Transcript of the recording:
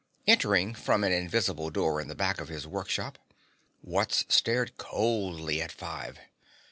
Entering from an invisible door in the back of his work shop, Wutz stared coldly at Five.